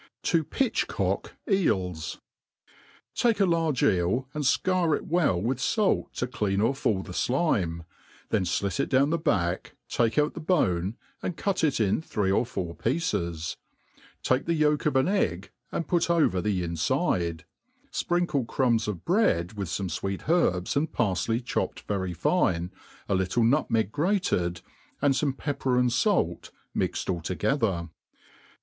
To pitcbcock Et!s. TAKE a large eel, and fcour it well with fait to clean oflF all the flime; then flit ii down the back, take out the bone,' and cut it in three or four pieces ; take the yolk of an egg and put over the infide, fprinkle crumbs of bread, with fome fweet herbs and parfley chopped very fine, a little nutmeg grated, and fome pepper and fait, mixed all together ; then